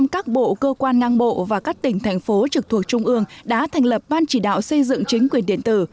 một trăm linh các bộ cơ quan ngang bộ và các tỉnh thành phố trực thuộc trung ương đã thành lập ban chỉ đạo xây dựng chính quyền điện tử